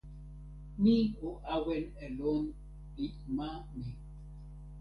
mi o awen e lon pi ma mi.